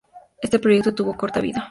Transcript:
Este proyecto tuvo corta vida.